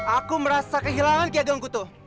aku merasa kehilangan keagamanku